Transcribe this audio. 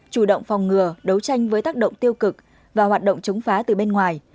chủ động phòng ngừa đấu tranh với tác động tiêu cực và hoạt động chống phá từ bên ngoài